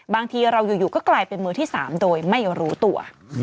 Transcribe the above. บางทีเราอยู่ก็กลายเป็นมือที่๓โดยไม่รู้ตัว